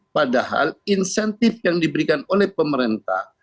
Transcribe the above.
padahal insentif yang diberikan oleh pemerintah